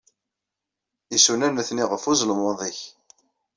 Isunan atni ɣef uzelmaḍ-nnek.